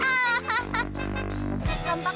hanya praktisnya effectivement